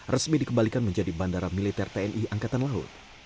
resmi dikembalikan menjadi bandara militer tni angkatan laut